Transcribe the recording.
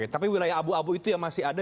tapi wilayah abu abu itu yang masih ada